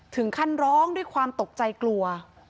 ถึงขั้นร้องด้วยความตกใจกลัว